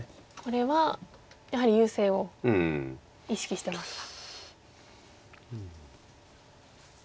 これはやはり優勢を意識してますか。